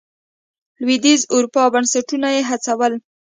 لوېدیځې اروپا بنسټونه یې هڅول.